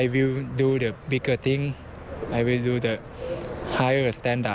พูดนี้ดีนะ